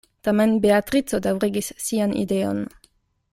Tamen Beatrico daŭriĝis sian ideon.